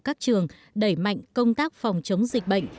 các trường đẩy mạnh công tác phòng chống dịch bệnh